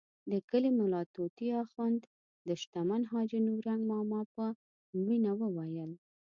د کلي ملا طوطي اخند د شتمن حاجي نورنګ ماما په مړینه وویل.